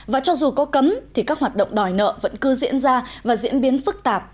và cho dù có cấm thì các hoạt động đòi nợ vẫn cứ diễn ra và diễn biến phức tạp